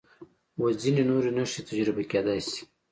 و ځینې نورې نښې تجربه کېدای شي.